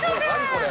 これ。